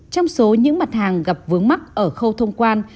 trong số những mặt hàng gặp vướng mắt ở khâu thông quan